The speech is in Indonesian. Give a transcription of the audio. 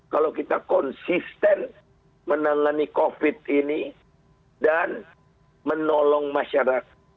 kalau kita konsisten menangani covid ini dan menolong masyarakat